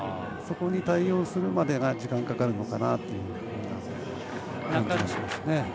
そこに対応するまでが時間かかるかなと感じますね。